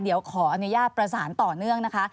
เดี๋ยวขออนุญาตประสานต่อเนื่องนะคะ